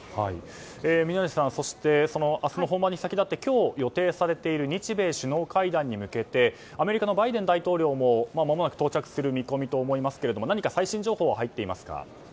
宮司さん明日の本番に先立って今日、予定されている日米首脳会談に向けてアメリカのバイデン大統領もまもなく到着する見込みだと思いますけれど何か最新情報は入っていますか。